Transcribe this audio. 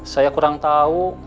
saya kurang tahu